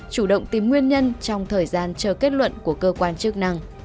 chủ động tìm nguyên nhân trong thời gian chờ kết luận của cơ quan chức năng